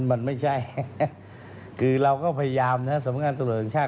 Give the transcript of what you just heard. มันไม่ใช่คือเราก็พยายามนะสำนักงานตำรวจแห่งชาติ